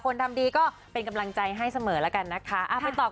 ทำดีก็เป็นกำลังใจให้เสมอแล้วกันนะคะ